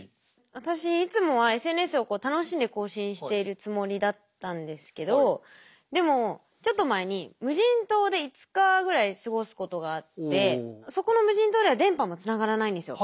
私いつもはＳＮＳを楽しんで更新しているつもりだったんですけどでもちょっと前にそこの無人島では電波もつながらないんですよ。